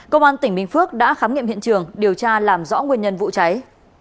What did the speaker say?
công an tỉnh bình phước đã khám nghiệm hiện trường điều tra làm rõ nguyên nhân vụ cháy